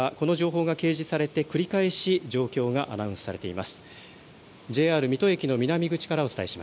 構内にはこの情報が掲示されて繰り返し状況がアナウンスされています。